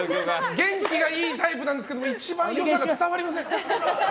元気がいいタイプなんですけど一番良さが伝わりません。